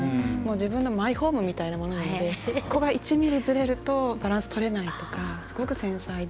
自分のマイホームみたいなもので１ｍｍずれるとバランス取れないとかとても繊細で。